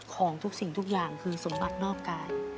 ของทุกสิ่งทุกอย่างคือสมบัตินอกกาย